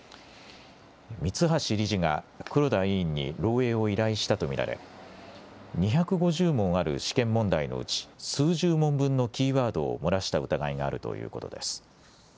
三橋理事が黒田委員に漏えいを依頼したと見られ２５０問ある試験問題のうち数十問分のキーワードを漏らした疑いがあるということです。